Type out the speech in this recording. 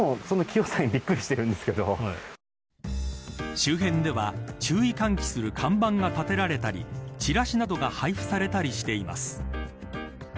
周辺では、注意喚起する看板が立てられたりチラシなどが配布されたりしています。